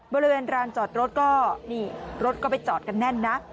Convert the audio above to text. บริเวณร้านจอดรถก็นี่รถก็ไปจอดกันแน่นนะ